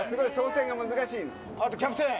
あとキャプテン。